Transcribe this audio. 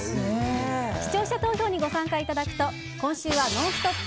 視聴者投票にご参加いただくと今週は「ノンストップ！」